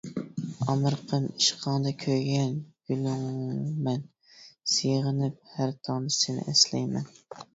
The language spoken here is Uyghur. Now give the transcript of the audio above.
ئامرىقىم، ئىشقىڭدا كۆيگەن گۈلۈڭمەن، سېغىنىپ ھەر تاڭدا سېنى ئەسلەيمەن.